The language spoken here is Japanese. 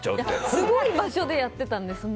すごい場所でやっていたんです。